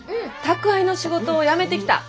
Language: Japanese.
宅配の仕事辞めてきた。